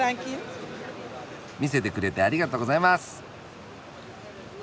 見せてくれてありがとうございます！